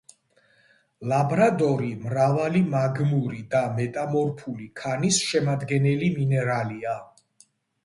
ლაბრადორი მრავალი მაგმური და მეტამორფული ქანის შემადგენელი მინერალია.